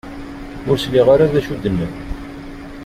Ur sliɣ ara d acu i d-nnan.